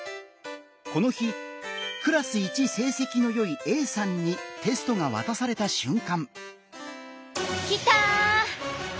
この日クラス一成績のよいＡさんにテストが渡された瞬間。